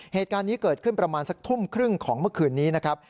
เหตุการณ์นี้เกิดขึ้นประมาณสักทุ่มครึ่งของเมื่อคืนนี้นะครับ